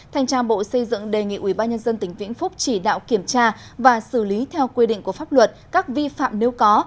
thành tra bộ xây dựng đề nghị ubnd tỉnh vĩnh phúc chỉ đạo kiểm tra và xử lý theo quy định của pháp luật các vi phạm nếu có